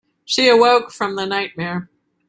She awoke from the nightmare.